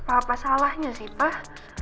apa salahnya sih pak